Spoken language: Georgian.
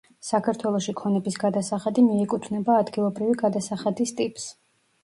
საქართველოში ქონების გადასახადი მიეკუთვნება „ადგილობრივი გადასახადის“ ტიპს.